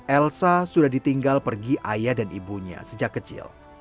elsa sudah ditinggal pergi ayah dan ibunya sejak kecil